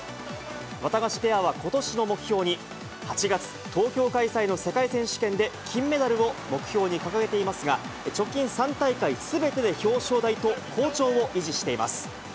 ワタガシペアはことしの目標に、８月、東京開催の世界選手権で金メダルを目標に掲げていますが、直近３大会すべてで表彰台と、好調を維持しています。